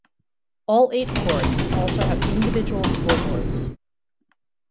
All eight courts also have individual scoreboards.